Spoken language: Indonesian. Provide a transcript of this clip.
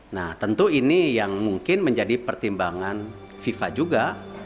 nah tentu ini yang mungkin menjadi pertimbangan fifa juga